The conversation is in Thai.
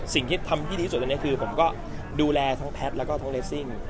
สิ่งที่ทำที่ดีที่สุดตอนนี้คือผมก็ดูแลทั้งแพทย์แล้วก็ทั้งเลสซิ่ง